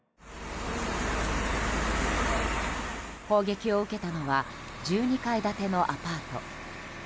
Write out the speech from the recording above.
砲撃を受けたのは１２階建てのアパート。